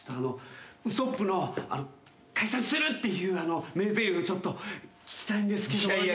ウソップの「解散する！」っていうあの名ぜりふちょっと聞きたいんですけど。